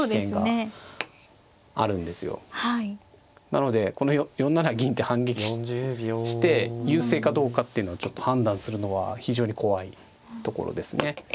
なのでこの４七銀って反撃して優勢かどうかっていうのを判断するのは非常に怖いところですね。